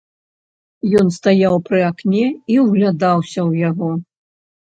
Ён стаяў пры акне і ўглядаўся ў яго.